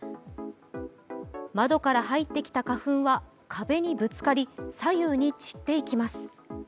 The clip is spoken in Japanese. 窓から入ってきた花粉は壁にぶつかり左右に散っていきます。